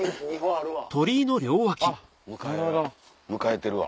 迎えてるわ。